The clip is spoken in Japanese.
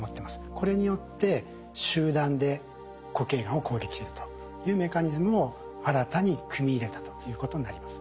これによって集団で固形がんを攻撃するというメカニズムを新たに組み入れたということになります。